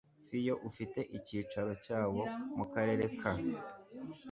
fiyo ufite icyicaro cyawo mu karere ka